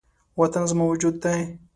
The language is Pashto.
وطن زما وجود دی